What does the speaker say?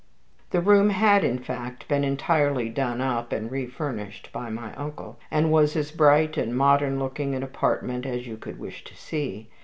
The room had, in fact, been entirely done up and refurnished by my uncle, and was as bright and modern looking an apartment as you could wish to see.